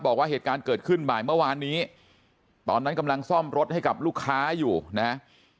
บอกว่าเหตุการณ์เกิดขึ้นบ่ายเมื่อวานนี้ตอนนั้นกำลังซ่อมรถให้กับลูกค้าอยู่นะฮะ